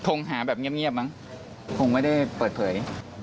หาแบบเงียบมั้งคงไม่ได้เปิดเผย